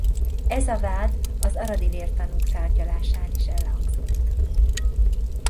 Ez a vád az aradi vértanúk tárgyalásán is elhangzott.